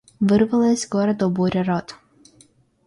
Вырвалась городу буря рот.